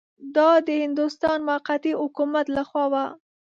دا د هندوستان موقتي حکومت له خوا وه.